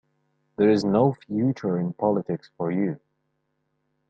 There is no future in politics for you.